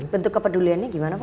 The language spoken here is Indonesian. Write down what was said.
bentuk kepeduliannya gimana pak